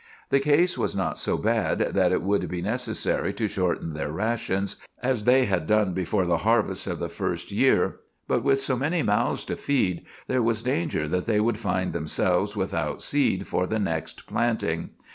The case was not so bad that it would be necessary to shorten their rations, as they had done before the harvest of the first year; but with so many mouths to feed, there was danger that they would find themselves without seed for the next planting.